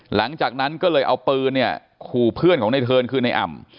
หลังจากนั้นก็เลยเอาปืนเนี่ยขู่เพื่อนของในเทิร์นคือในอ่ำ